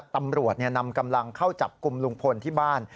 ตำรวจนำกำลังเข้าจับกลุ่มลุงพลที่บ้าน